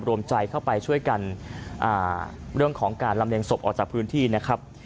รวมใจเข้าไปช่วยกันเรื่องของการลำเลียงศพออกจากพื้นที่นะครับ